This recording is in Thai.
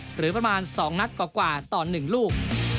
หรือประมาณ๒นัดกว่าต่อ๑ลูก